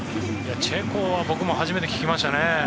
チェコは僕も初めて聞きましたね。